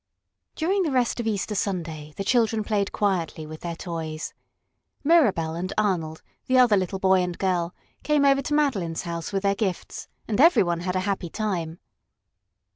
During the rest of Easter Sunday the children played quietly with their toys. Mirabell and Arnold, the other little boy and girl, came over to Madeline's house with their gifts and every one had a happy time.